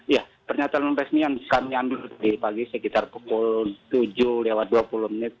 ya pernyataan resmi yang kami ambil di pagi sekitar pukul tujuh lewat dua puluh menit